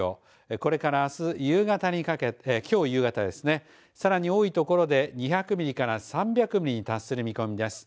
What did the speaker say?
これからきょう夕方ですねさらに多い所で２００ミリから３００ミリに達する見込みです。